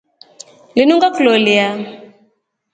Linu ngakuloleya.